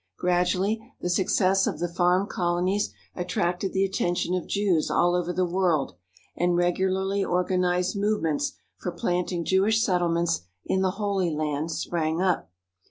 Gradually the success of the farm colonies attracted the attention of Jews all over the world, and regularly organized move ments for planting Jewish settlements in the Holy Land sprang up.